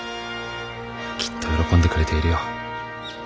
きっと喜んでくれているよ。